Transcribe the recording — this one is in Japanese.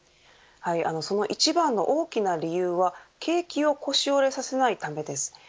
その一番の大きな理由は景気を腰折れさせないためです。